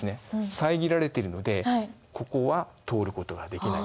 さえぎられてるのでここは通ることはできない。